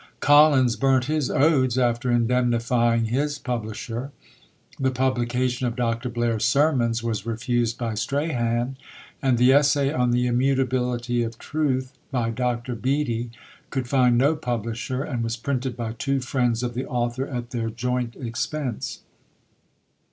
Collins burnt his odes after indemnifying his publisher. The publication of Dr. Blair's Sermons was refused by Strahan, and the "Essay on the Immutability of Truth," by Dr. Beattie, could find no publisher, and was printed by two friends of the author, at their joint expense.